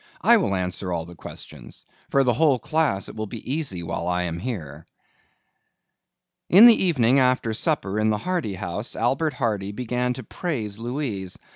I will answer all questions. For the whole class it will be easy while I am here." In the evening after supper in the Hardy house, Albert Hardy began to praise Louise.